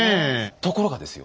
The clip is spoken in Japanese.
ところがですよ